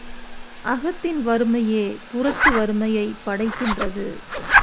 அகத்தின் வறுமையே புறத்து வறுமையைப் படைக்கின்றது.